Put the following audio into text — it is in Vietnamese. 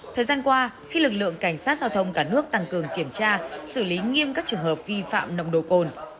thời gian qua khi lực lượng cảnh sát giao thông cả nước tăng cường kiểm tra xử lý nghiêm các trường hợp vi phạm nồng độ cồn